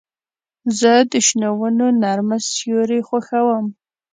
زه د شنو ونو نرمه سیوري خوښوم.